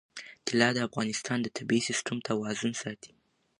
طلا د افغانستان د طبعي سیسټم توازن ساتي.